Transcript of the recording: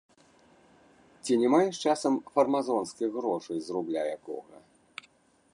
Ці не маеш часам фармазонскіх грошай з рубля якога?